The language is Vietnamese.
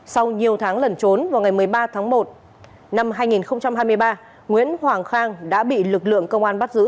sau nhiều tháng lẩn trốn vào ngày một mươi ba tháng một năm hai nghìn hai mươi ba nguyễn hoàng khang đã bị lực lượng công an bắt giữ